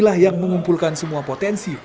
inilah yang mengumpulkan semua potensi